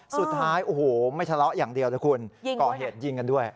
สุดท้ายโอ้โหไม่ทะเลาะอย่างเดียวนะคุณก่อเหตุยิงกันด้วย